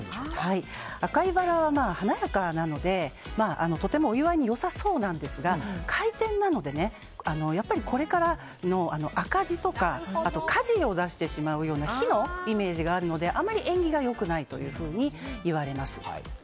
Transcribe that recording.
赤いバラは華やかなのでとてもお祝いに良さそうなんですが開店なので、これからの赤字とか火事を出してしまうような火のイメージがあるのであまり縁起が良くないといわれます。